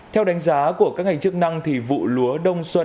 theo đánh giá của các ngành chức năng vụ lúa đông xuân